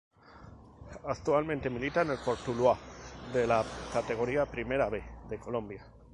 Actualmente milita en el Cortuluá de la Categoría Primera B de Colombia.